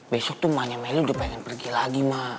besok tuh emaknya meli udah pengen pergi lagi mak